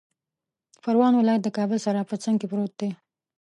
پروان ولایت د کابل سره په څنګ کې پروت دی